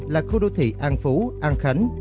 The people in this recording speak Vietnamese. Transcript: là khu đô thị an phú an khánh